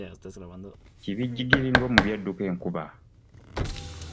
Kibijjigiri ng'omubi adduka enkuba.